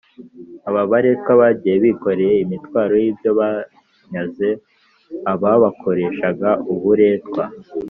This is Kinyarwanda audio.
aba baretwa bagiye bikoreye imitwaro y’ibyo banyaze ababakoreshaga uburetwa.